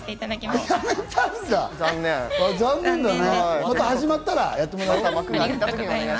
また始まったらやってもらおう。